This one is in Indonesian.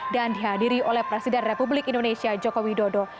dan dihadiri oleh presiden republik indonesia jokowi dodo